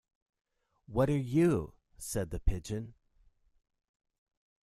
What are you?’ said the Pigeon.